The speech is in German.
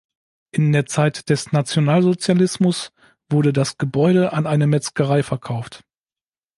In der Zeit des Nationalsozialismus wurde das Gebäude an eine Metzgerei verkauft.